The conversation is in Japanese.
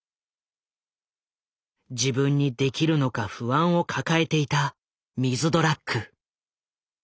自分にできるのか不安を抱えていたミズドラック。